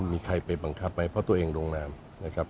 มีใครไปบังคับไว้เพราะตัวเองลงนามนะครับ